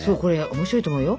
面白いと思うよ。